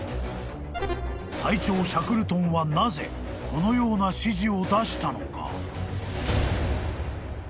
［隊長シャクルトンはなぜこのような指示を出したのか］